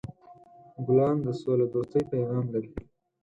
ګلان د سولهدوستۍ پیغام لري.